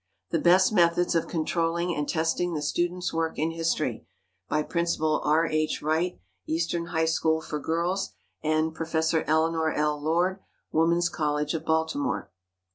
"The Best Methods of Controlling and Testing the Students' Work in History," by Principal R. H. Wright, Eastern High School for Girls, and Prof. Eleanor L. Lord, Woman's College of Baltimore.